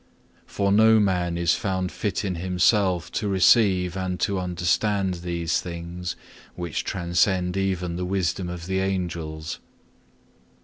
For no man is found fit in himself to receive and to understand these things, which transcend even the wisdom of the Angels.